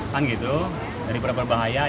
jadi berapa bahaya